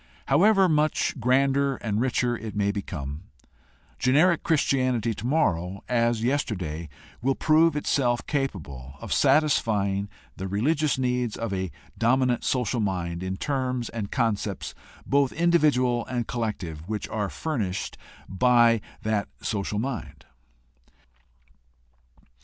However much grander and richer it may become, generic Christianity tomorrow, as yesterday, will prove itself capable of satisfying the religious needs of a dominant social mind in terms and concepts, both individual and collective, which are furnished by that social mind.